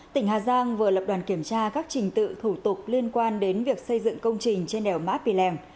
tỉnh hà giang vừa lập đoàn kiểm tra các trình tự thủ tục liên quan đến việc xây dựng công trình trên đèo mã pì lèng